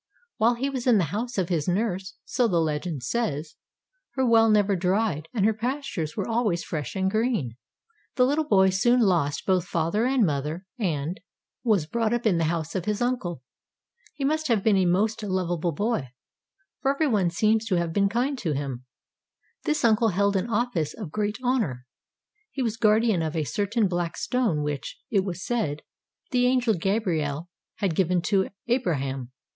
While he was in the house of his nurse, so the legend says, her well never dried and her pastures were always fresh and green. The little boy soon lost both father and mother, and was brought up in the house of his uncle. He must have been a most lovable boy, for every one seems to have been kind to him. This uncle held an office of great honor, — he was guardian of a certain black stone which, it was said, the angel Gabriel had given to Abraham.